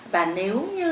và nếu như